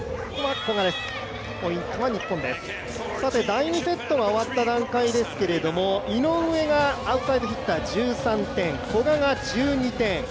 第２セットが終わった段階ですけれども、井上がアウトサイドヒッター１３点、古賀が１２点。